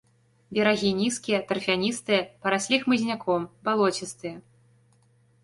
Берагі нізкія, тарфяністыя, параслі хмызняком, балоцістыя.